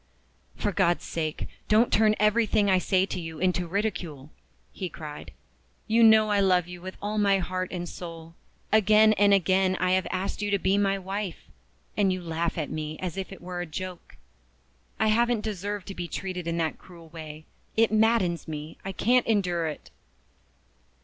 "For God's sake, don't turn everything I say to you into ridicule!" he cried. "You know I love you with all my heart and soul. Again and again I have asked you to be my wife and you laugh at me as if it was a joke. I haven't deserved to be treated in that cruel way. It maddens me I can't endure it!"